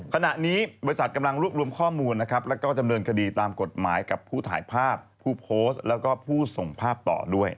ขณะนี้บริษัทกำลังรวบรวมข้อมูลนะครับแล้วก็ดำเนินคดีตามกฎหมายกับผู้ถ่ายภาพผู้โพสต์แล้วก็ผู้ส่งภาพต่อด้วย